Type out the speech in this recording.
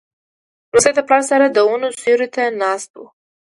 لمسی د پلار سره د ونو سیوري ته ناست وي.